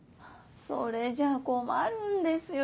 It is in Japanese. それじゃ困るんですよ